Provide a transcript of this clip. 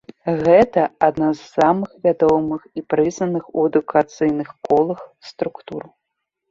Гэта адна з самых вядомых і прызнаных у адукацыйных колах структур.